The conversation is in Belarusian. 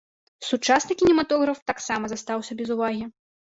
Сучасны кінематограф таксама застаўся без увагі.